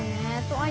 はい。